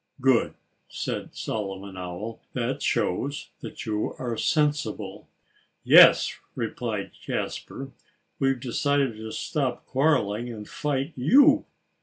"Good!" said Solomon Owl. "That shows that you are sensible." "Yes!" replied Jasper. "We've decided to stop quarreling and fight _you!